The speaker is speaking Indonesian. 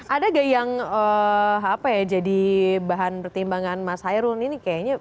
ada gak yang apa ya jadi bahan pertimbangan mas hairul ini kayaknya